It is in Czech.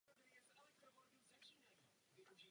Spousta osob z doprovodu královny Anny také zůstala v Anglii.